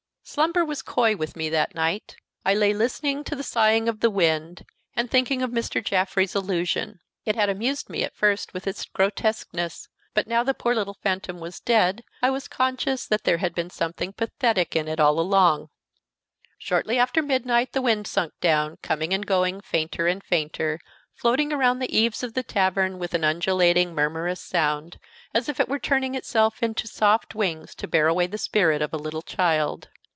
Slumber was coy with me that night. I lay listening to the soughing of the wind, and thinking of Mr. Jaffrey's illusion. It had amused me at first with its grotesqueness; but now the poor little phantom was dead, I was conscious that there had been something pathetic in it all along. Shortly after midnight the wind sunk down, coming and going fainter and fainter, floating around the eaves of the tavern with an undulating, murmurous sound, as if it were turning itself into soft wings to bear away the spirit of a little child.